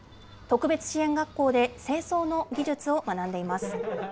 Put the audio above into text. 特別支援学校で清掃の技術を学んでいます。